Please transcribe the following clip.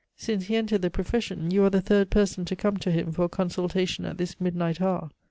Since he entered the profession, you are the third person to come to him for a consultation at this midnight hour.